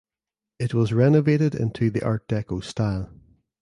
It was renovated into the Art Deco style.